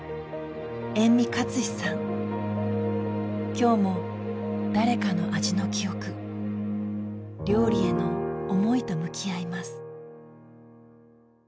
今日も誰かの味の記憶料理への思いと向き合います。